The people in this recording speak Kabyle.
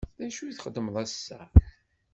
D acu i txedmem ass-a?